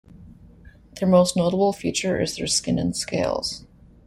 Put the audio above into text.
Their most notable feature is their skin and scales.